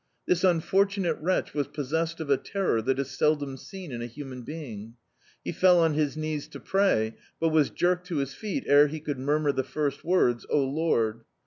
This unfortunate wretch was pos sessed of a terror that is seldom seen in a human be ing. He fell on his knees to pray, but was jerked to bis feet ere he could murmur the first words, O Lord.